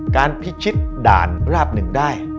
พิชิตด่านราบหนึ่งได้